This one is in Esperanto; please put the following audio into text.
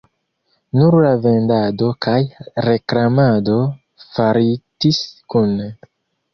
Nur la vendado kaj reklamado faritis kune.